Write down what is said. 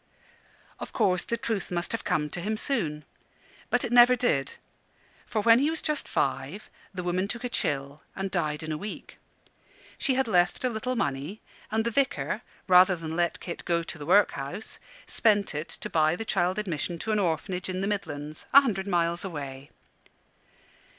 Of course the truth must have come to him soon. But it never did: for when he was just five, the woman took a chill and died in a week. She had left a little money; and the Vicar, rather than let Kit go to the workhouse, spent it to buy the child admission to an Orphanage in the Midlands, a hundred miles away.